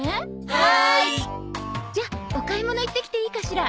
はーい！じゃあお買い物行ってきていいかしら？